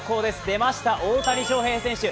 出ました大谷翔平選手。